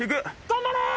頑張れ！